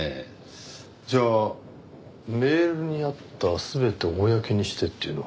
じゃあメールにあった「全てを公にして」っていうのは。